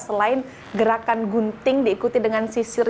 selain gerakan gunting diikuti dengan sisir